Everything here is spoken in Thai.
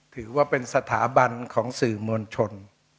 ถือว่าเป็นสถาบันของสื่อมวลชน